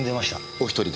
お一人で？